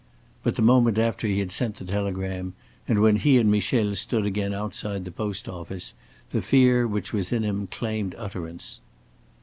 But the moment after he had sent the telegram, and when he and Michel stood again outside the post office, the fear which was in him claimed utterance.